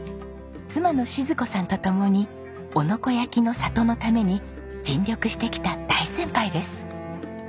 妻の静子さんと共に男ノ子焼の里のために尽力してきた大先輩です。